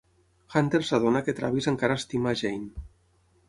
En Hunter s'adona que en Travis encara estima la Jane.